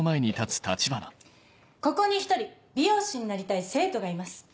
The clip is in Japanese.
ここに１人美容師になりたい生徒がいます。